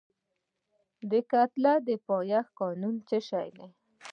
د کتلې د پایښت قانون څه شی دی؟